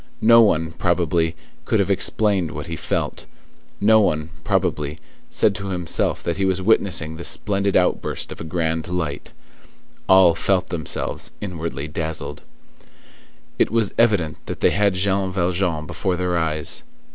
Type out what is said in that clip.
No one, probably, could have explained what he felt; no one, probably, said to himself that he was witnessing the splendid outburst of a grand light: all felt themselves inwardly dazzled. It was evident that they had Jean Valjean before their eyes.